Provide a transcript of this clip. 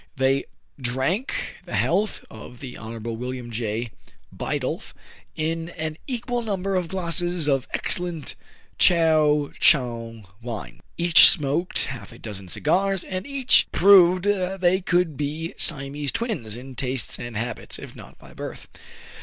They drank the health of the Honorable William J. Bidulph in an equal number of glasses of excellent Chao Chigne wine. Each smoked half a dozen cigars, and again proved that they could be " Si amese twins " in tastes and habits, if not by birth.